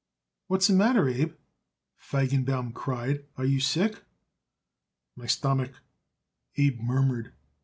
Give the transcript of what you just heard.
"What's the matter, Abe?" Feigenbaum cried. "Are you sick?" "My stummick," Abe murmured.